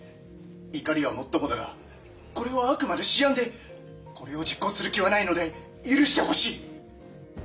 怒りはもっともだがこれはあくまで私案でこれを実行する気はないので許してほしい！